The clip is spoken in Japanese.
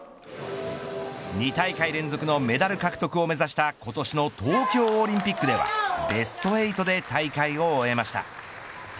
２大会連続のメダル獲得を目指した今年の東京オリンピックではベスト８で大会を終えました。